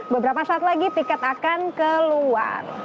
beberapa saat lagi tiket akan keluar